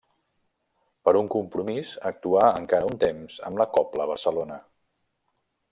Per un compromís actuà encara un temps amb la Cobla Barcelona.